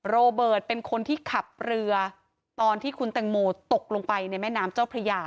โรเบิร์ตเป็นคนที่ขับเรือตอนที่คุณแตงโมตกลงไปในแม่น้ำเจ้าพระยา